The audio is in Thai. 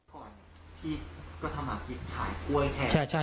พี่ก็จะสามารถกิดขายกล้วยแทน